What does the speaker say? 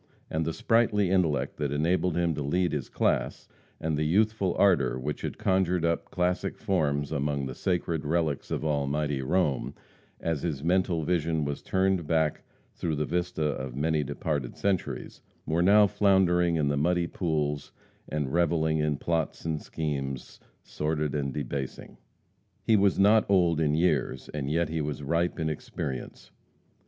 And the sprightly intellect that had enabled him to lead his class, and the youthful ardor which had conjured up classic forms among "the sacred relics of Almighty Rome," as his mental vision was turned back through the vista of many departed centuries, were now floundering in the muddy pools, and reveling in plots and schemes, sordid and debasing. He was not old in years, and yet he was ripe in experience.